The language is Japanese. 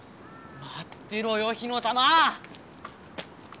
まってろよ火の玉！